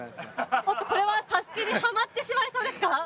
おっとこれはＳＡＳＵＫＥにはまってしまいそうですか？